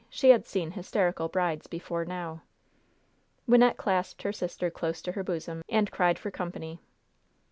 She had seen hysterical brides before now. Wynnette clasped her sister close to her bosom, and cried for company.